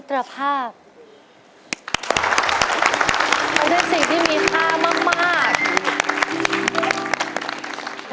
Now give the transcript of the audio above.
คณะกรรมการเชิญเลยครับพี่อยากให้ก่อนก็ได้จ้ะนู้นไปก่อนใครแล้วก่อนเพื่อนเลย